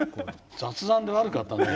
雑談で悪かったね。